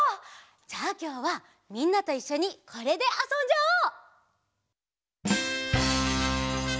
じゃあきょうはみんなといっしょにこれであそんじゃおう！